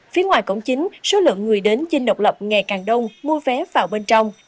phía ngoài cổng chính số lượng người đến dinh độc lập ngày càng đông mua vé vào bên trong